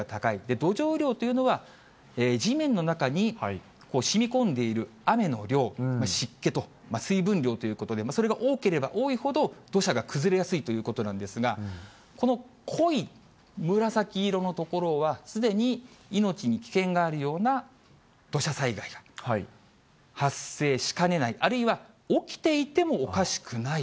土壌雨量というのは、地面の中にしみこんでいる雨の量、湿気と水分量ということで、それが多ければ多いほど、土砂が崩れやすいということなんですが、この濃い紫色の所は、すでに命に危険があるような土砂災害が発生しかねない、あるいは起きていてもおかしくないと。